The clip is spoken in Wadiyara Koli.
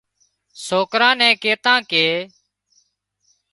سوڪران نين ڪيتان ڪي